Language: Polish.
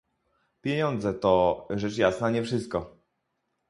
Pieniądze to, rzecz jasna, nie wszystko